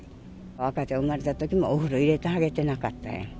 赤ちゃんが産まれたときもお風呂入れてあげてなかったんや。